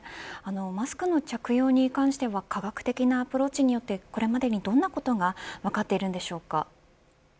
マスクの着用に関しては科学的なアプローチによってこれまでにどんなことが分かっていますか。